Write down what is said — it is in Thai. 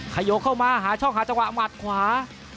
ขยกเข้ามาหาช่องหาจังหวะหมัดขวา